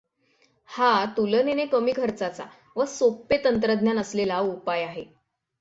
हा तुलेनेने कमी खर्चाचा व सोपे तंत्रज्ञान असलेला उपाय आहे.